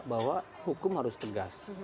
bahwa hukum harus tegas